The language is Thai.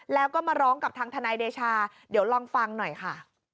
แล้วก็มาร้องกับทางทนายเดชาเดี๋ยวลองฟังหน่อยค่ะ